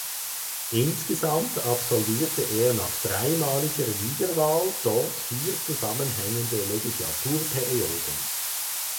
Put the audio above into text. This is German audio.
Insgesamt absolvierte er nach dreimaliger Wiederwahl dort vier zusammenhängende Legislaturperioden.